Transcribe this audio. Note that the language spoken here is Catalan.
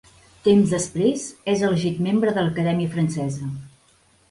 Temps després és elegit membre de l'Acadèmia Francesa.